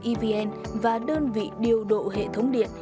evn và đơn vị điều độ hệ thống điện